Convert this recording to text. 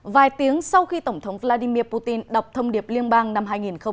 vài tiếng sau khi tổng thống vladimir putin đọc thông điệp liên bang năm hai nghìn hai mươi